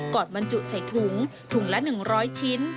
บรรจุใส่ถุงถุงละ๑๐๐ชิ้น